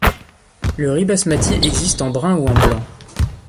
Le riz basmati existe en brun ou en blanc.